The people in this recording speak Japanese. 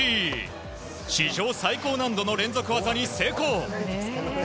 史上最高難度の連続技に成功。